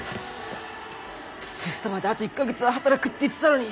テストまであと１か月は働くって言ってたのに。